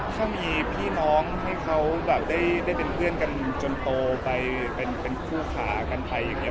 ถ้ามีพี่น้องให้เขาแบบได้เป็นเพื่อนกันจนโตไปเป็นคู่ขากันไปอย่างนี้